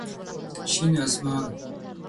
شين اسمان